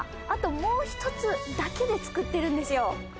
あともう一つだけで作ってるんですよ